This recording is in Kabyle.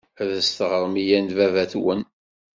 Ad as-teɣrem i yanbaba-twen.